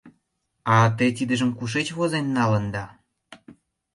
— А те тидыжым кушеч возен налында?